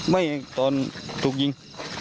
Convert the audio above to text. ไม่ตอนถูกยิง